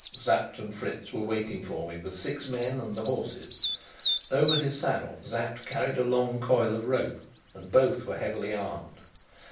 Sapt and Fritz were waiting for me with six men and the horses. Over his saddle Sapt carried a long coil of rope, and both were heavily armed.